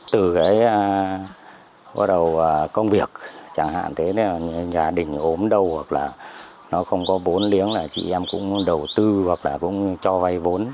từ cái bắt đầu công việc chẳng hạn thế là nhà đình ốm đâu hoặc là nó không có bốn liếng là chị em cũng đầu tư hoặc là cũng cho vay vốn